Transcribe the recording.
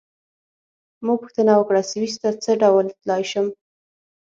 ما پوښتنه وکړه: سویس ته څه ډول تلای شم؟